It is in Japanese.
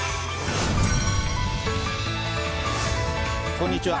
こんにちは。